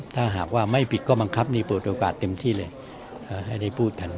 ถ้าหากว่าไม่ผิดก็บังคับนี่เปิดโอกาสเต็มที่เลยให้ได้พูดกัน